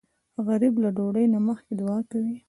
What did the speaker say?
غریب له ډوډۍ نه مخکې دعا کوي